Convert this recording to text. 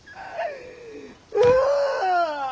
ああ！